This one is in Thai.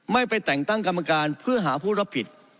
ไม่ไปแต่งตั้งกรรมการเพื่อหาผู้รับผิด